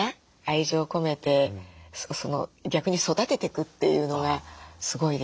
愛情込めて逆に育てていくというのがすごいですよね。